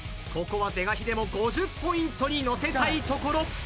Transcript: ［ここは是が非でも５０ポイントにのせたいところ］